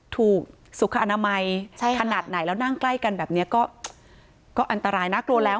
ถูกสุขอนามัยขนาดไหนแล้วนั่งใกล้กันแบบนี้ก็อันตรายน่ากลัวแล้ว